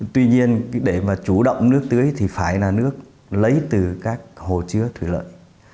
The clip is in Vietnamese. tuy nhiên để mà chủ động nước tưới thì phải là nước lấy từ các hồ chứa thủy lợi